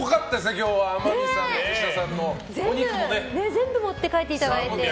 今日は天海さんと松下さんの全部持って帰っていただいて。